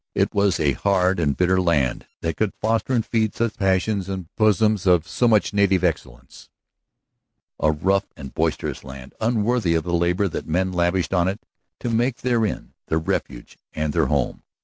It was a hard and bitter land that could foster and feed such passions in bosoms of so much native excellence; a rough and boisterous land, unworthy the labor that men lavished on it to make therein their refuge and their home.